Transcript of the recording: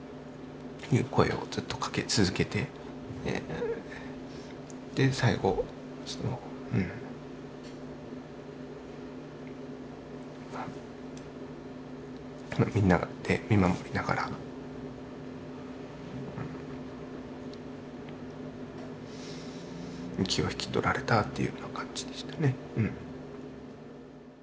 声をずっとかけ続けて最後そのみんなで見守りながら息を引き取られたというような感じでしたね。